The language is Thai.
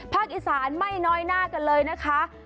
ภาคอีสานไม่นอยน่ากันเลยนะคะ